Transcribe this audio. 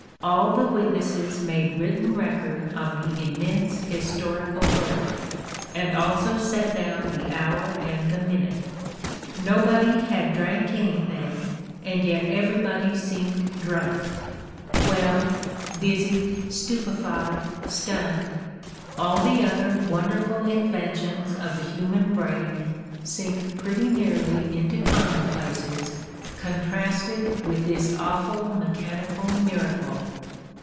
All the witnesses made written record of the immense historical birth ... and also set down the hour and the minute. Nobody had drank anything, and yet everybody seemed drunk. "Well — dizzy, stupefied, stunned. ... All the other wonderful inventions of the human brain sink pretty nearly into commonplaces contrasted with this awful mechanical miracle.